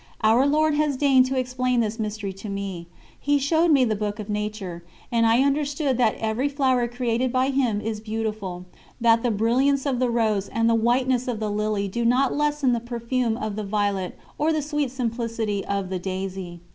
Our Lord has deigned to explain this mystery to me. He showed me the book of nature, and I understood that every flower created by Him is beautiful, that the brilliance of the rose and the whiteness of the lily do not lessen the perfume of the violet or the sweet simplicity of the daisy.